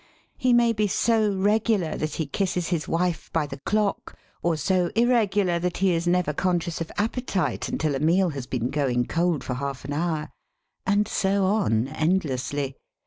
He may be so regular that he kisses his wife by the clock, or so irregular that he is never con scious of appetite until a meal has been going cold for half an hour. And so on endlessly.